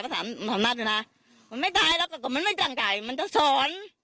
เขาถามนัดอยู่นะมันไม่ตายแล้วก็มันไม่จังไก่มันจะสอน